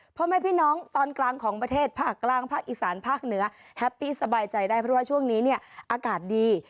พ่อแม่พี่น้องตอนกลางของประเทศภาคกลางภาคอีสานภาคเหนือแฮปปี้สบายใจได้เพราะว่าช่วงนี้เนี่ยอากาศดี